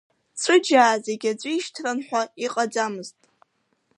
Ҵәыџьаа зегьы аӡәы ишьҭран ҳәа иҟаӡамызт.